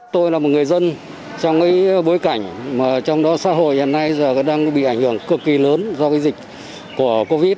tôi là một người dân trong bối cảnh trong đó xã hội hiện nay đang bị ảnh hưởng cực kỳ lớn do dịch covid